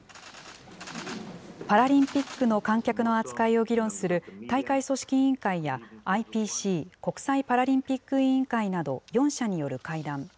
パラリンピックの観客の扱いを議論する、大会組織委員会やＩＰＣ・国際パラリンピック委員会など、４者による会談。